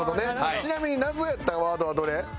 ちなみに謎やったワードはどれ？